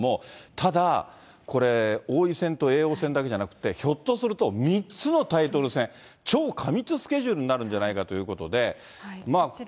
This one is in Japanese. ただ、これ、王位戦と叡王戦だけじゃなくって、ひょっとすると３つのタイトル戦、超過密スケジュールになるんじゃないかということで。